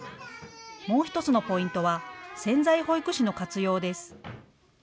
もう１つのポイントは潜在保育士の活用です。